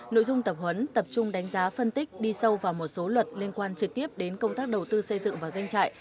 nội dung tập huấn tập trung đánh giá phân tích đi sâu vào một số luật liên quan trực tiếp đến công tác đầu tư xây dựng và doanh trại